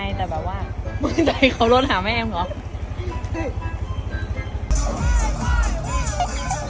ไม่ได้อายกูไม่ได้อายแต่แบบว่า